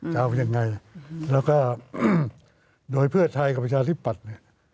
จะเอายังไงแล้วก็โดยเพื่อไทยกับประชาธิปัตย์เนี่ย